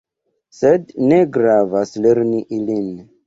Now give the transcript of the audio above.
Sed ne gravas lerni ilin.